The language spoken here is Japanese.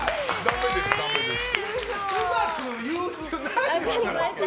うまく言う必要ないですから。